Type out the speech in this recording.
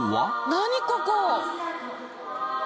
何ここ？